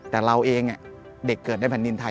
แต่เราเองเด็กเกิดในแผ่นดินไทย